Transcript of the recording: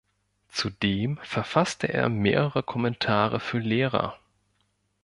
Zudem verfasste er mehrere Kommentare für Lehrer.